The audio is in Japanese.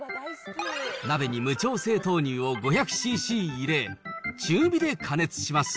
鍋に無調整豆乳を５００ｃｃ入れ、中火で加熱します。